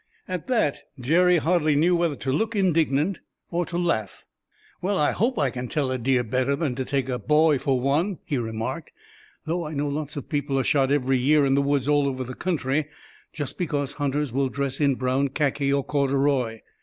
At that Jerry hardly knew whether to look indignant, or laugh. "Well, I hope I can tell a deer better than to take a boy for one," he remarked, "though I know lots of people are shot every year in the woods all over the country, just because hunters will dress in brown khaki or corduroy.